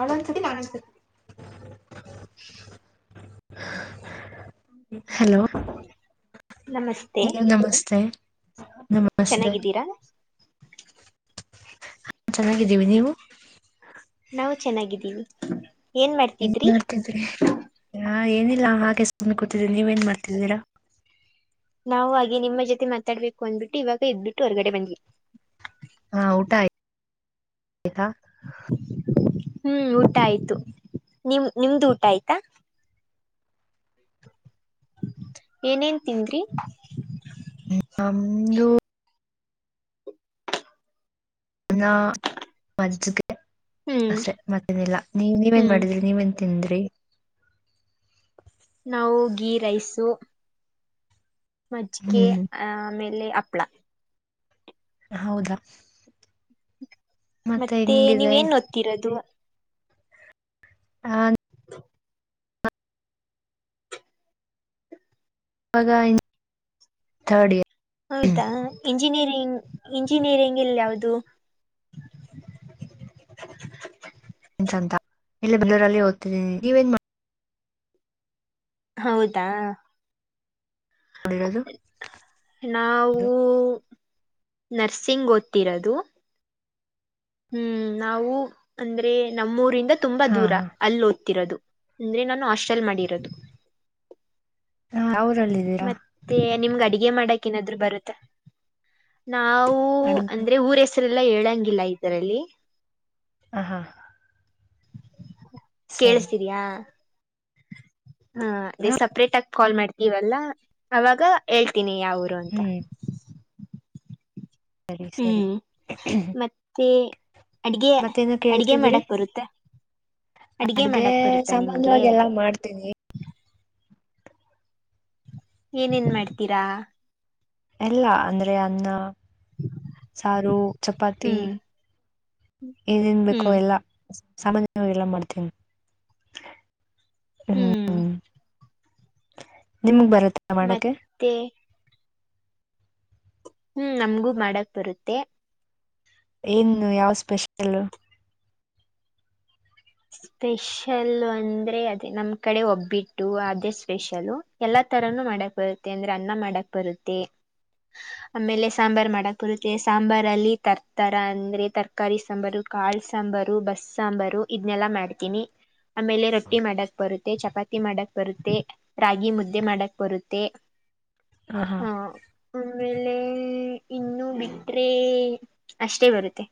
ಅವಳೊಂದು ಸತಿ ನಾನೊಂದು ಸತಿ [unintelligible] ಹಲೋ ನಮಸ್ತೆ [unintelligible] ನಮಸ್ತೆ ನಮಸ್ತೆ ಚೆನ್ನಾಗಿದ್ದೀರಾ ಹ [unintelligible] ಚೆನ್ನಾಗಿದ್ದೀವಿ ನೀವು ನಾವು ಚೆನ್ನಾಗಿದ್ದೀವಿ ಏನ್ ಮಾಡ್ತಿದ್ರಿ? ಹಾ ಏನಿಲ್ಲ ಹಾಗೆ ಸುಮ್ಮನೆ ಕೊಡ್ತಿದ್ದೀವಿ ನೀವ ಏನ್ ಮಾಡ್ತಿದ್ದೀರಾ? ನಾವು ಹಾಗೆ ನಿಮ್ಮ ಜೊತೆ ಮಾತಾಡ್ಬೇಕು ಅಂದ್ಬಿಟ್ಟು ಇವಾಗ ಎದ್ಬಿಟ್ಟು ಹೊರಗಡೆ ಬಂದ್ವಿ ಹಾ ಊಟ ಆಯ್ತ ಹ್ಮ್ ಊಟ ಆಯ್ತು ನಿಮ -ನಿಮ್ದು ಊಟ ಆಯ್ತಾ ಏನೇನ್ ತಿಂದ್ರಿ? ಹ್ಮ [unintelligible] ನಮ್ದು ಅನ್ನ ಮಜ್ಜಗೆ ಹ್ಮ್ ಅಷ್ಟೆ ಮತ್ತೇನಿಲ್ಲ ನೀವ್ -ನೀವೇನ್ ಹ್ಮ್ ಮಾಡಿದ್ರಿ ನೀವೇನ್? ತಿಂದ್ರಿ ನಾವೂ ಗಿ ರೈಸು. ಮಜ್ಜಿಗೆೆ ಹ್ಮ್ ಆ ಆಮೇಲೆ ಹಪ್ಳ. ಹೌದಾ ಮತ್ತೆ ನೀವೇನ್ ಓದ್ತಿರೋದು? ಹಾ [inaudible] ಇವಾಗ ಇದ್ ಥರ್ಡ್ ಇಯರ್ ಹೌದಾ ಇಂಜಿನಿಯರಿಂಗ್ ಇಂಜಿನಿಯರಿಂಗ್ ಇಲ್ಲ ಯಾವದು ಅಂತ್ ಇಲ್ಲೇ ಬೆಂಗಳೂರಲಿ ಓದ್ತಿದಿನಿ ನೀವೇನ್ ಮಾ ಹೌದಾ ಇರೋದು ನಾವು ನರ್ಸಿಂಗ್ ಓದ್ತಿರದು ಹ್ಮ್ ನಾವು ಅಂದ್ರೆ ನಮ್ಮೂರಿಂದ ತುಂಬಾ ಹಾ ದೂರ್ ಅಲ್ಲ ಓದ್ತಿರೋದು ಅಂದ್ರೆ ನಾನು ಹಾಸ್ಟೆಲ್ ಮಾಡಿರದು ಯಾವ್ ಊರಲ್ಲಿದ್ದೀರಾ. ಮತ್ತೆ ನಿಮ್ಗ ಅಡಗೆ ಮಾಡಕ್ ಏನಾದ್ರು ಬರುತ್ತ್ ನಾವು ಅಡ್ ಅಂದ್ರೆ ಊರ ಹೆಸ ಹೆಸರೆಲ್ಲ ಹೇಳಂಗಿಲ್ಲ ಇದರಲ್ಲಿ. ಹ್ ಹಾ ಸರಿ ಕೇಳಸ್ತಿದಿಯಾ. ಹಾ ಅದೇ ಸಪ್ರೇಟ್ ಆಗ ಕಾಲ್ ಮಾಡ್ತೀವಲ್ಲ ಅವಾಗ ಹೇಳ್ತೀನಿ ಯಾವೂರು ಅಂತ. ಹ್ಮ್ ಸರಿ ಸರಿ ಹ್ಮ್ ಮತ್ತೆ ಅಡ್ಗೆ ಮತ್ತೇನೋ ಅಡ್ಗೆ ಕೇಳ್ತಿದ್ರಿ. ಮಾಡಕ್ ಬರುತ್ತೆ ಅಡ್ಗೆ ಮಾಡಕ್ ಬರುತ್ತಾ ನಿಮ್ಗೆ ಸಮಾನ್ಯವಾಗೆಲ್ಲಾ ಮಾಡ್ತೀವಿ. ಏನೇನ್ ಮಾಡ್ತೀರಾ. ಎಲ್ಲಾ ಅಂದ್ರೆ ಅನ್ನ ಸಾರು ಚಪಾತಿ. ಹ್ಮ್ ಏನೇನ್ ಬೇಕೋ ಹ್ಮ್ ಎಲ್ಲಾ ಸಾಮಾನ್ಯ. ಎಲ್ಲಾ ಮಾಡ್ತೀನಿ. ಹ್ಮ್ ನಿಮ್ಗ್ ಬರುತ್ತ್ ಮತ್ತೆ ಹ್ಮ್ ನಮಗೂ ಮಾಡಕ್ ಬರುತ್ತೆ ಏನು ಯಾವ ಸ್ಪೆಷಲ್ ಸ್ಪೆಷಲ್ ಅಂದ್ರೆ ಅದೇ ನಮ್ಮ್ ಕಡೆ ಒಬ್ಬಿಟ್ಟು ಅದೇ ಸ್ಪೆಷಲ್ಲು ಎಲ್ಲಾ ತರನು ಮಾಡಕ್ ಬರುತ್ತೆ ಅಂದ್ರೆ ಅನ್ನ ಮಾಡಕ್ ಬರುತ್ತೆ ಆಮೇಲೆ ಸಾಂಬರ್ ಮಾಡಕ್ ಬರುತ್ತೆ ಸಾಂಬರ್ ಅಲ್ಲಿ ತರ್ತರ ಅಂದ್ರೆ ತರಕಾರಿ ಸಾಂಬರು ಕಾಳ್ ಸಾಂಬರು ಬಸ್ ಸಾಂಬರು ಇದ್ನೆಲ್ಲಾ ಮಾಡ್ತೀನಿ ಆಮೇಲೆ ರೊಟ್ಟಿ ಮಾಡಕ್ ಬರುತ್ತೆ ಚಪಾತಿ ಮಾಡಕ್ ಬರುತ್ತೆ ರಾಗಿ ಮುದ್ದೆ ಮಾಡಕ್ ಬರುತ್ತೆ ಹಾ ಹಾ ಹ ಆಮೇಲೆ ಇನ್ನು ಬಿಟ್ರೆ ಅಷ್ಟೇ ಬರುತ್ತೆ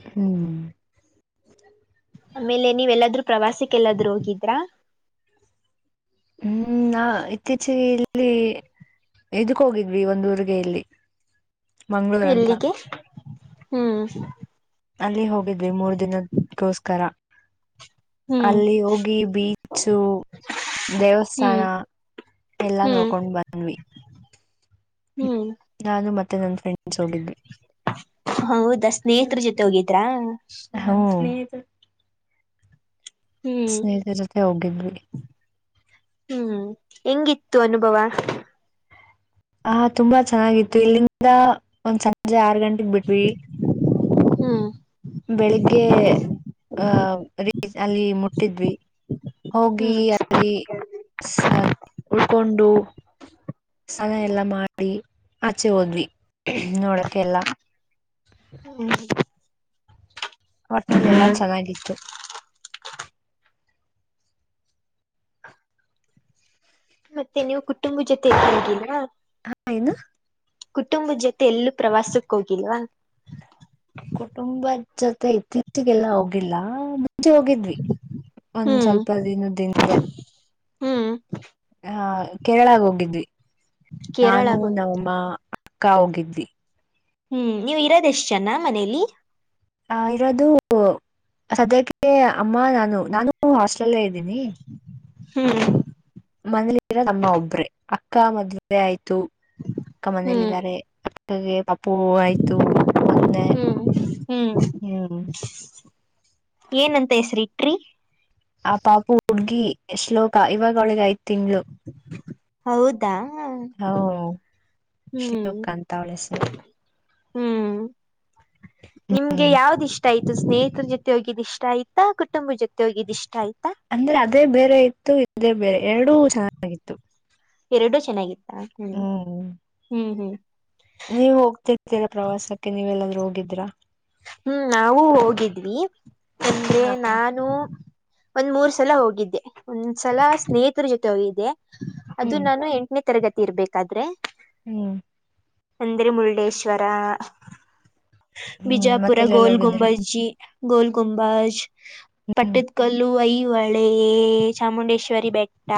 ಹ್ಮ್ ಆಮೇಲೆ ನೀವೆಲ್ಲಾದ್ರೂ ಪ್ರವಾಸಕ್ಕ ಎಲ್ಲಾದರು ಹೋಗಿದ್ರಾ ಹ್ಮ್ ನಾ ಇತ್ತೀಚೆಗೆ ಇಲ್ಲಿ ಇದಕ್ ಹೋಗಿದ್ವಿ ಒಂದ್ ಊರಗೆಯಿಲ್ಲಿ ಎಲ್ಲಿಗೆ ಹ್ಮ್ ಅಲ್ಲಿ ಹೋಗಿದ್ವಿ ಮೂರ್ ದಿನದಗೋಸ್ಕರ [inaudible] ಅಲ್ಲಿ ಹೋಗಿ ಬೀಚು ಹ್ಮ್ ದೇವಸ್ಥಾನ್ ಎಲ್ಲಾ ಹ್ಮ್ ನೋಡ್ಕೊಂಡ್ ಬಂದ್ವಿ ಹ್ಮ್ ನಾನು ಮತ್ತೆ ನನ್ ಫ್ರೆಂಡ್ಸ್ ಹೋಗಿದ್ವಿ ಹೌದಾ ಸ್ನೇಹಿತರ ಜೊತೆ ಹೋಗಿದ್ರಾ ಹ್ಮ್ ಹ [unintelligible] [unintelligible] ಹ್ಮ್ ಸ್ನೇಹಿತರ ಜೊತೆ ಹೋಗಿದ್ವಿ ಹ್ಮ್ ಹೆಂಗಿತ್ತು ಅನುಭವ ಆ ತುಂಬಾ ಚೆನ್ನಾಗಿತ್ತು ಇಲ್ಲಿಂದ ಒಂದ್ ಸಂಜೆ ಆರ್ ಗಂಟೆಗ್ ಬಿಟ್ವಿ ಹ್ಮ ಬೆಳಿಗ್ಗೆ ಆ [unintelligible] ಅಲ್ಲಿ ಮುಟ್ಟಿದ್ವಿ ಹೋಗಿ ಹ್ಮ್ ಅಲ್ಲಿ ಉಳ್ಕೊಂಡು ಸ್ನಾನ ಎಲ್ಲ ಮಾಡಿ ಆಚೆ ಹೋದ್ವಿ ನೋಡೋಕ್ಕೆಲ್ಲ ಹ್ಮ ಹೊಟ್ನಲ್ಲಿ ಎಲ್ಲಾ ಚೆನ್ನಾಗಿತ್ತು ಮತ್ತೆ ನೀವು ಕುಟುಂಬ ಜೊತೆ ಎಲ್ಲೂ ಹೋಗಿಲ್ವಾ? ಏನು ಕುಟುಂಬದ ಜೊತೆ ಎಲ್ಲೂ ಪ್ರವಾಸಕ್ಕ ಹೋಗಿಲ್ವಾ? ಕುಟುಂಬ ಜೊತೆ ಇತ್ತೀಚಿಗೆಲ್ಲ ಹೋಗಿಲ್ಲ ಮುಂಚೆ ಹೋಗಿದ್ವಿ ಒಂದ್ ಹ್ಮ್ ಸ್ವಲ್ಪ ದಿನದ ಇಂದೆ ಹ್ಮ್ ಹ ಕೇರಳಾಗ ಹೋಗಿದ್ವಿ ನಾನು ಕೇರಳಾಗ ಹೋಗಿದ್ರ ನಮ್ಮಮ್ಮ ಅಕ್ಕ ಹೋಗಿದ್ವಿ ಹ್ಮ್ ನೀವ್ ಇರೋದ ಎಷ್ಟ್ ಜನ ಮನೇಲಿ ಆ ಇರೋದು ಸದ್ಯಕ್ಕೆ ಅಮ್ಮ ನಾನು ನಾನು ಹಾಸ್ಟೆಲ್ಲ್ಲೆ ಇದ್ದೀನಿ ಹ್ಮ್ ಮನೇಲಿರೋದು ಅಮ್ಮ ಒಬ್ರೆ ಅಕ್ಕ ಮದುವೆ ಆಯ್ತು ಅಕ್ಕ ಮನೇಲಿ ಹ್ಮ್ ಇದಾರೆ ಅಕ್ಕಗೆ ಪಾಪು ಆಯ್ತು ಮೊನ್ನೆ ಹ್ಮ್ ಹ್ಮ್ ಹ್ಮ್ ಏನಂತ ಹೆಸರಿ ಇಟ್ರಿ ಆ ಪಾಪು ಹುಡ್ಗಿ ಶ್ಲೋಕ ಇವಾಗ ಅವ್ಳ್ಗೆ ಐದು ತಿಂಗಳು [inaudible] ಹೌದಾ ಹ ಹ್ಮ್ ಶ್ಲೋಕ ಅಂತ ಅವಳ ಹೆಸರು ಹ್ಮ್ ನಿಮ್ಗೆ ಹ್ಮ್ ಯಾವ್ದಿಷ್ಟ ಇಷ್ಟ ಆಯ್ತು ಸ್ನೇಹಿತರ ಜೊತೆ ಹೋಗಿದ್ ಇಷ್ಟ ಆಯ್ತಾ ಕುಟುಂಬದ ಜೊತೆ ಹೋಗಿದ್ ಇಷ್ಟ ಆಯ್ತಾ? ಅಂದ್ರೆ ಅದೇ ಬೇರೆ ಇತ್ತು ಇದೇ ಬೇರೆ ಎರಡೂ ಚೆನ್ನಾಗಿತ್ತು ಎರಡುಚೆನ್ನಾಗಿತ್ತ ಹ್ಮ್ ಹ್ಮ್ ಹ್ಮ್ ನೀವ ಹೋಗ್ತಿರ್ತೀರಾ ಪ್ರವಾಸಕ್ಕೆ ನೀವಲ್ಲಾದ್ರೂ ಹೋಗಿದ್ರ? ಹ್ಮ್ ನಾವು ಹೋಗಿದ್ವಿ ಅಂದ್ರೆ ನಾನು ಒಂದ್ ಮೂರ್ ಸಲ ಹೋಗಿದ್ದೆ ಒಂದ್ ಸಲ ಸ್ನೇಹಿತರ ಜೊತೆ ಹೋಗಿದ್ದೆ ಅದು ಹ್ಮ್ ನಾನು ಎಂಟನೇ ತರಗತಿ ಇರ್ಬೇಕಾದ್ರೆ ಹ್ಮ್ ಅಂದ್ರೆ ಮುರುಡೇಶ್ವರ ಹ್ಮ್ ಬಿಜಾಪುರ ಮತ್ತೆಲ್ಲೆಲ್ಲಿ ಹೋಗಿದ್ರಿ ಗೋಲ್ಗುಂಬಸ್ [unintelligible] ಗೋಲ್ ಗುಂಬಾಜ್ ಹ್ಮ್ ಪಟ್ಟದ ಕಲ್ಲು ಐಹೊಳೆ ಹೊಳೆ ಚಾಮುಂಡೇಶ್ವರಿ ಬೆಟ್ಟ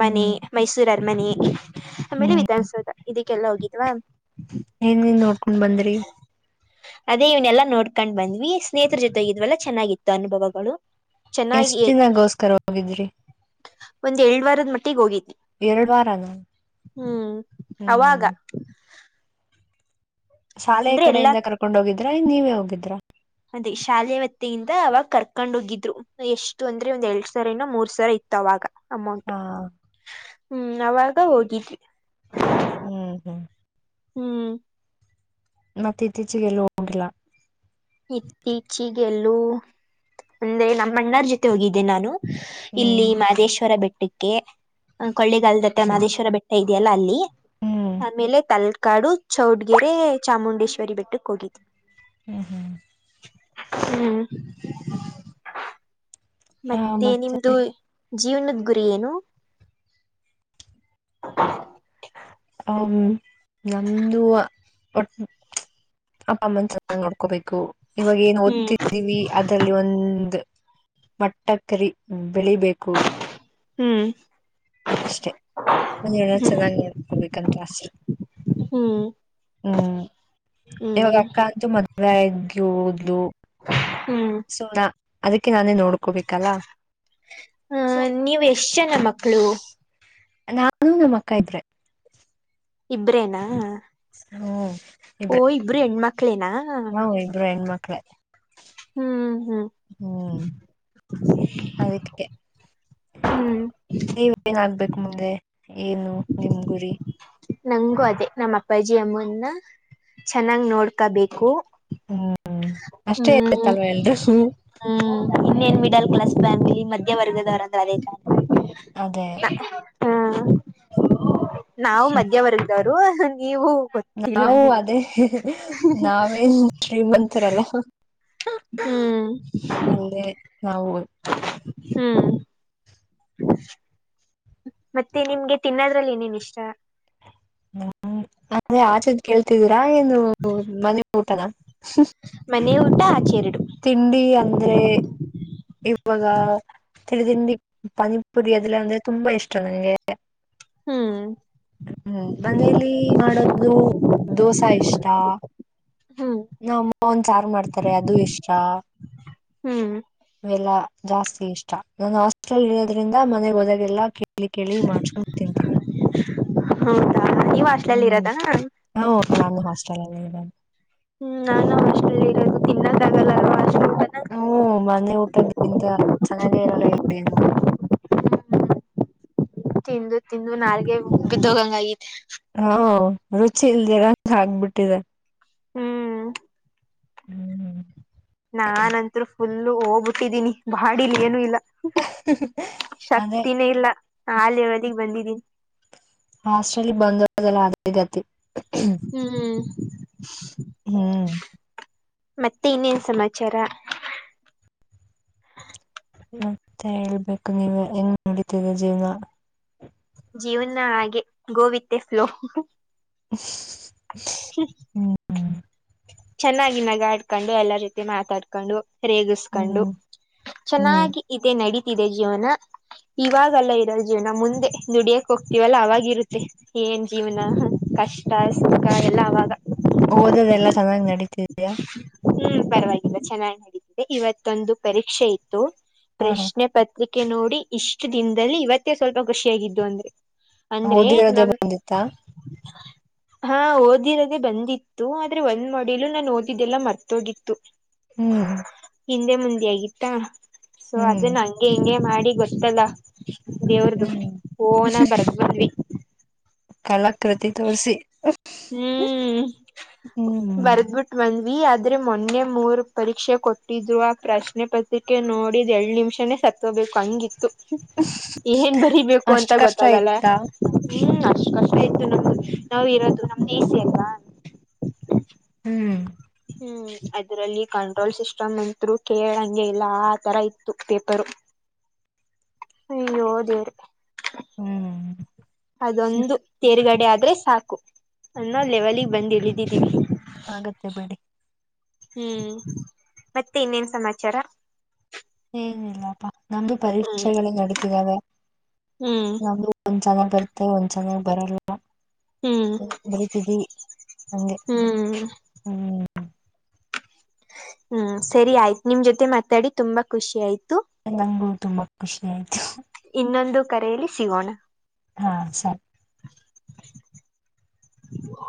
ಹ್ಮ್ ಮೈಸೂರ್ ಅರ್ಮನೆ ಆಮೇಲೆ ಹ್ಮ್ ವಿಧಾನಸೌಧ ಇದಕ್ಕೆಲ್ಲ ಹೋಗಿದ್ವಾ ಏನೆನ್ ನೋಡ್ಕೊಂಡ್ ಬಂದ್ರರಿ ಅದೇ ಇವ್ನೆಲ್ಲಾ ನೋಡ್ಕೊಂಡ್ ಬಂದ್ವಿ ಸ್ನೇಹಿತರ ಜೊತೆೋಗಿದ್ವಲ್ಲ ಚೆನ್ನಾಗಿತ್ತು ಅನುಭವಗಳು ಎಷ್ಟ ಚೆನ್ನಾಗಿ ದಿನಗೋಸ್ಕರ ಹೋಗಿದ್ರಿ? ಒಂದ್ ಎರ್ಡ್ ವಾರದ ಮಟ್ಟಿಗೆ ಹೋಗಿದ್ವಿ ಎರಡ್ ವಾರನ ಹ್ಮ್ ಅವಾಗ ಹ್ಮ್ ಶಾಲೆಯ ಅಂದ್ರೆ ಎಲ್ಲಾ ಕಡೆಯಿಂದ ಕರ್ಕೊಂಡ್ ಹೋಗಿದ್ರಾ ನೀವೇ ಹೋಗಿದ್ರಾ? ಅದೇ ಶಾಲೆ ವತ್ತಿಯಿಂದ ಅವಾಗ ಕರ್ಕೊಂಡ್ ಹೋಗಿದ್ರು ಎಷ್ಟು ಅಂದ್ರೆ ಒಂದ ಎರಡ್ ಸಾವರ ಏನೂ ಮೂರ್ ಸಾವಿರ ಇತ್ತು ಅವಾಗ ಅಮೌಂಟ್. ಹಾ ಹ್ಮ್ ಅವಾಗ ಹೋಗಿದ್ವಿ. ಹ್ಮ್ ಹ್ಮ್ ಹ್ಮ್ ಮತ್ತೆ ಇತ್ತೀಚಿಗೆ ಎಲ್ಲೂ ಹೋಗಿಲ್ಲ. ಇತ್ತೀಚಿಗೆ ಎಲ್ಲೂ ಒಂದೆ ನಮ್ಮಣ್ಣಾರ್ ಜೊತೆ ಹೋಗಿದ್ದೆ ನಾನು. ಹ್ಮ್ ಇಲ್ಲಿ ಮಹದೇಶ್ವರ ಬೆಟ್ಟಕ್ಕೆ ಕೊಳ್ಳೆಗಾಲದ ಹತ್ರ ಮಾದೇಶ್ವರ ಬೆಟ್ ಇದೆಯಲ್ಲ ಅಲ್ಲಿ. ಹ್ಮ್ ಆಮೇಲೆ ತಲ್ಕಾಡು ಚೌಡ್ಗೆರೆ ಚಾಮುಂಡೇಶ್ವರಿ ಬೆಟ್ಟಕ್ ಹೋಗಿದ್ವಿ. ಹ್ಮ್ ಹ್ಮ್ ಹ್ಮ್ ಮತ್ತೆ ನಿಮ್ದು ಜೀವನದ ಗುರಿ ಏನು. ಹ ಹ ನಮ್ದು ಒಟ್ ಅಪ್ಪ ಅಮ್ಮನ್ ಚೆನ್ನಾಗ್ ನೋಡ್ಕೋಬೇಕು ಇವಾಗ ಏನ್ ಹ್ಮ್ ಓದ್ತಿದ್ದೀವಿ. ಅದರಲ್ಲಿ ಒಂದು ಮಟ್ಟ ಕರಿ ಬೆಳಿಬೇಕು. ಹ್ಮ್ ಅಷ್ಟೇ ಮನ್ನೆಲ್ಲ ಚೆನ್ನಾಗಿ ನೋಡ್ಕೊಬೇಕು ಅಂತ ಆಸೆ. ಹ್ಮ್ ಹ್ಮ್ ಇವಾಗ ಹ್ಮ್ ಅಕ್ಕಂತೂ ಮದುವೆ ಆಗಿ ಹೋದ್ಲು. ಹ್ಮ್ ಸೊ ನಾ ಅದಕ್ಕೆ ನಾನೇ ನೋಡ ಹ ನೀವ್ ಎಷ್ಟ್ ಜನ ಮಕ್ಕಳು. ನಾನು ನಮ್ ಅಕ್ಕ ಇಬ್ರೆ. ಇಬ್ರೇನಾ. ಹು ಓ ಇಬ್ರು ಹೆಣ್ಮಕ್ಳೇನಾ. ಹಾ ಇಬ್ರು ಹೆಣ್ಮಕ್ಳೆ. ಹ್ಮ್ ಹ್ಮ್ ಹ್ಮ್ ಅದಕ್ಕೆ. ಹ್ಮ್ ನೀವ ಏನ ಆಗ್ಬೇಕು ಮುಂದೆ ಏನು ನಿಮ್ ಗುರಿ. ನಂಗು ಅದೇ ನಮ್ ಅಪ್ಪಾಜಿ ಅಮ್ಮನ್ನ ಚೆನ್ನಾಗ್ ನೋಡ್ಕಬೇಕು. ಹ್ಮ ಅಷ್ಟೇ ಇತ್ತಲ್ವ ಎಲ್ರೂಗು. ಹ್ಮ್ ಇನ್ನೇನ್ ಮಿಡಲ್ ಕ್ಲಾಸ್ ಫ್ಯಾಮಿಲಿ ಮಧ್ಯವರ್ಗದವರಂದ ಅದ ತಾನೆ. ಅದೇ ಹಾ ನಾವು ಮದ್ಯ ರು ನೀವು ಗೊ ನಾವು ಅದೇ ನಾವೇನ್ ಶ್ರೀಮಂತರಲ್ಲ. ಹ್ಮ್ ಅಲ್ಲೇ ನಾವು. ಹ್ಮ್ ಹ ಮತ್ತೆ ನಿಮ್ಗೆ ತಿನ್ನೋದ್ರಲ್ಲಿ ಏನೇನ್ ಇಷ್ಟ. ಹ್ಮ ಅಂದ್ರೆ ಆಚೆದ್ ಕೇಳ್ತಿದೀರಾ ಏನು ಮನೆ ಊಟನ. ಮನೆಯ ಊಟ ಆಚೇರಡು. ತಿಂಡಿ ಅಂದ್ರೆ. ಇವಾಗ ತಿಳ ತಿಂಡಿ ಪಾನಿಪುರಿ ಅದೆಲ್ಲ ಅಂದ್ರೆ ತುಂಬಾ ಇಷ್ಟ ನಂಗೆ. ಹ್ಮ್ ಹ್ಮ್ ಮನೇಲಿ ಮಾಡೋದು ದೋಸಾ ಇಷ್ಟ ಹ್ಮ್ ನಮ್ಮಮ್ಮ ಒಂದ ಸಾರು ಮಾಡ್ತಾರೆ ಅದು ಇಷ್ಟ ಹ್ಮ್ ವೆಲ್ಲಾ ಜಾಸ್ತಿ ಇಷ್ಟ ನಾನ ಹಾಸ್ಟೆಲ್ ಇರೋದ್ರಿಂದ ಮನೆಗ್ ಹೋದಾಗೆಲ್ಲಾ ಕೇಳಿ ಕೇಳಿ ಮಾಡ್ಚ್ಕೊಂಡು ತಿಂತೀನಿ ಹೌದಾ ನೀವು ಹಾಸ್ಟೆಲಲ್ಲಿ ಇರೋದಾ? ಹೌ ನಾನು ಹಾಸ್ಟೆಲ್ ಅಲ್ಲಿ ಇರೋದು ಹ್ಮ್ ನಾನು ಹಾಸ್ಟೇಲ್ಲ್ಲಿ ಇರೋದು ತಿನ್ನಕಾಗಲ್ಲ ಹ ಮನೆ ಊಟ ಗಿಂತ ಚೆನ್ನಾಗೇ ಇರಲ್ಲ ಇಲ್ಲನು ತಿಂದು ತಿಂದು ನಾಗೆ ಬಿದ್ದೋಗಂಗ ಆಗತೆ ಹಾ ರುಚಿ ಇಲ್ದಿರ ಹಗ್ಬಿಟ್ಟಿದೆ ಹ್ಮ್ ಹ್ಮ್ ನಾನಂಟ್ರು ಫುಲ್ಲ ಹೋಗ್ಬಟ್ಟಿದ್ದೀನಿ ಬಾಡಿಲಿ ಏನು ಇಲ್ಲ ಅದೇ ಶಕ್ತಿನೇ ಇಲ್ಲ ಆ ಲೆವೆಲ್ಗೆ ಬಂದಿದೀನಿ ಹಾಸ್ಟೆಲ್ ಬಂದವ್ರಿಗೆಲ್ಲ ಅದಗತಿ ಹ್ಮ್ ಹ್ಮ್ ಮತ್ತೆ ಇನ್ನೇನ್ ಸಮಾಚಾರ ಮತ್ತೆ ಹೇಳ್ಬೇಕು ನೀವ ಹೆಂಗ್ ನಡತದೆ ಜೀವನ? ಜೀವನ ಹಾಗೆ ಗೋವಿತ್ತೆ ಫ್ಲೋ ಹ [unintelligible] ಚೆನ್ನಾಗಿ ನಗ ಆಡ್ಕೊಂಡು ಎಲ್ಲಾ ರೀತಿ ಮಾತಾಡ್ಕೊಂಡು ರೇಗಿಸಕೊಂಡು ಹ್ಮ್ ಹ್ಮ್ ಚೆನ್ನಾಗಿ ಇದೆ ನಡೀತಿದೆ ಜೀವನ ಇವಾಗಲ್ಲ ಇರೋ ಜೀವನ ಮುಂದೆ ದುಡಿಯಕ್ ಹೋಗ್ತೀವಲ್ಲ ಅವಾಗಿರುತ್ತೆ ಏನ್ ಜೀವನ ಕಷ್ಟ ಸುಖ ಎಲ್ಲ ಅವಾಗ ಓದದೆ ಎಲ್ಲಾ ಚೆನ್ನ್ ನಡಿತೆ ಹ್ಮ್ ಪರವಾಗಿಲ್ಲ ಚೆನ್ನಾಗಿ ನೆಡಿತಿದೆ ಇವತ್ತೊಂದು ಪರೀಕ್ಷೆ ಇತ್ತು ಹ ಹ ಪ್ರಶ್ನೆ ಪತ್ರಿಕೆ ನೋಡಿ ಇಷ್ಟು ದಿನದಲ್ಲಿ ಇವತ್ತೇ ಸ್ವಲ್ಪ ಖುಷಿಯಾಗಿದ್ದು ಅಂದ್ರೆ ಅಂದ್ರೆ ಓದಿರೋದೇ ನಮ ಬಂದಿತ್ತಾ ಹಾ ಓದಿರದೆ ಬಂದಿತ್ತು ಆದ್ರೆ ಒಂದ್ ಮಾಡಲು ನಾನು ಹೋಗಿದ್ದೆಲ್ಲಾ ಮರ್ತೋಗಿತ್ತು ಹ್ಮ್ ಹಿಂದೆ ಮುಂದೆ ಆಗಿತ್ತ ಸೊ ಹ್ಮ್ ಅದನ್ನ ಹಂಗೆ ಹಿಂಗೆ ಮಾಡಿ ಗೊತ್ತಲ್ಲ ದೇವ್ರ್ದ ಹ್ಮ್ ಓನ ಆಗಿ ಬರ್ದ ಬಂದವಿ ಕಲಾಕೃತಿ ತೋರಿಸಿ ಹ್ಮ್ ಹ್ಮ್ ಬರ್ದ್ಬಿಟ್ಟು ಬಂದ್ವಿ ಆದ್ರೆ ಮೊನ್ನೆ ಮೂರು ಪರೀಕ್ಷೆ ಕೊಟ್ಟಿದ್ರು ಆ ಪ್ರಶ್ನೆ ಪತ್ರಿಕೆ ನೋಡಿದ ಎರಡ್ ನಿಮಿಷನೇ ಸತ್ತ [unintelligible] ಬೇಕು ಹಂಗಿತ್ತು ಏನ್ ಬರಿಬೇಕು ಅಂತ ಅಷ್ಟ್ ಕಷ್ಟ ಗೊತ್ತಾಗಲ್ಲ ಆಯ್ತಾ ಹ್ಮ್ ಅಷ್ಟ ಕಷ್ಟ ಆಯ್ತು ನಮ್ದು ನಾವು ಇರೋದು ನಮ್ದ ಈಸಿ ಅಲಾ ಹ್ಮ್ ಹ್ಮ್ ಅದ್ರಲ್ಲಿ ಕಂಟ್ರೋಲ್ ಸಿಸ್ಟಮ್ ಅತ್ರು ಕೇಳಂಗೆ ಇಲ್ಲ ಆತರ ಇತ್ತು ಪೇಪರ್ ಅಯ್ಯೋ ದೇವ್ರೇ ಹ್ಮ್ ಅದೊಂದು ತೇರ್ಗಡೆ ಆದ್ರೆ ಸಾಕು ಅನ್ನೋ ಲೆವೆಲಿಗೆ ಬಂದು ಇಳಿದಿದ್ದೀವಿ. ಆಗತ್ತೆ ಬೀಡಿ. ಹ್ಮ್ ಮತ್ತೆ ಇನ್ನೇನ್ ಸಮಾಚಾರ. ಏನಿಲ್ಲಪ್ಪ ನಮ್ದು ಹ್ಮ್ ಪರೀಕ್ಷೆಗಳು ನಡತಿದಾವೆ. ಹ್ಮ್ ನಮ್ದು ಒಂದ್ ಚೆನ್ನಾಗಿ ಬರುತ್ತೆ ಒಂದ್ ಚೆನ್ನಾಗ್ ಬರಲ್ಲ. ಹ್ಮ್ ಬರಿತಿದೀವಿ ಹಂಗೆ ಹ್ಮ್ ಹ್ಮ್. ಹ್ಮ್ ಸರಿ ಆಯ್ತು ನಿಮ್ ಜೊತೆ ಮಾತಾಡಿ ತುಂಬಾ ಖುಷಿ ಆಯ್ತು. ನಂಗು ತುಂಬಾ ಖುಷಿ ಆಯ್ತು. ಇನ್ನೊಂದು ಕರೆಯಲ್ಲಿ ಸಿಗೋಣ. ಹಾ ಸರಿ. [inaudible]